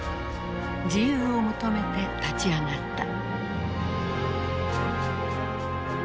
自由を求めて立ち上がった。